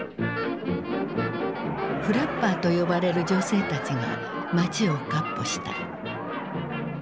フラッパーと呼ばれる女性たちが街をかっ歩した。